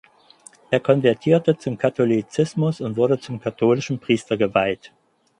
Er konvertierte zum Katholizismus und wurde zum katholischen Priester geweiht.